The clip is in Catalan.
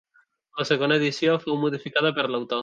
La segona edició fou modificada per l'autor.